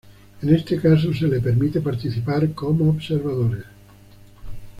En este caso se les permite participar como observadores.